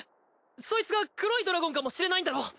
そいつが黒いドラゴンかもしれないんだろ？